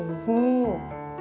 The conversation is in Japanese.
お！